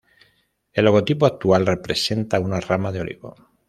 El logotipo actual representa una rama de olivo.